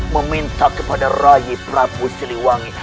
meminta kepada ray prabu siliwangi